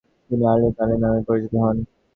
তিনি earl Canning নামে পরিচিত হন।